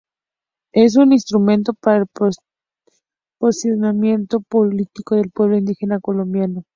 Es un instrumento para el posicionamiento político del pueblo indígena colombiano.